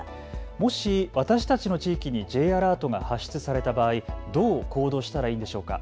もし私たちの地域にＪアラートが発出された場合、どう行動したらいいのでしょうか。